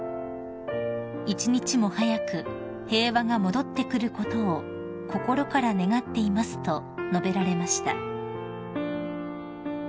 「一日も早く平和が戻ってくることを心から願っています」と述べられました］